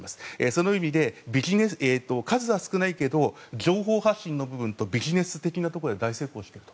その意味で数は少ないけど情報発信の部分とビジネス的なところで大成功している。